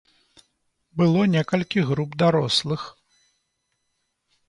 Было некалькі груп дарослых.